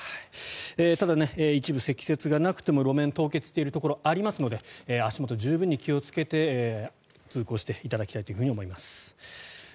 ただ、一部積雪がなくても路面が凍結しているところがありますので足元に十分に気をつけて通行していただきたいと思います。